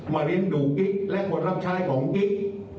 มาเรียนดูกิ๊กและก่อนรับใช้ของกิ๊ก